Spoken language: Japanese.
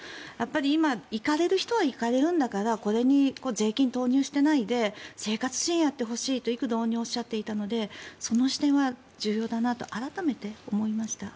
今、行かれる人は行かれるんだからこれに税金を投入していないで生活支援やってほしいと異口同音におっしゃっていたのでその視点は重要だなと改めて思いました。